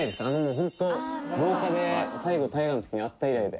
ほんと廊下で最後大河のときに会った以来で。